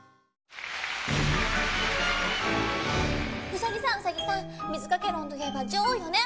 ウサギさんウサギさん水掛け論といえば女王よね。